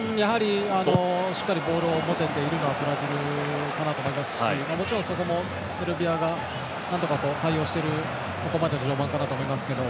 しっかりボールを持てているのはブラジルかなと思いますしもちろん、そこもセルビアがなんとか対応している序盤かなと思いますけど。